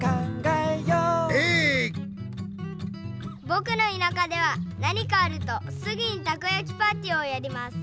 ぼくのいなかでは何かあるとすぐにたこやきパーティーをやります。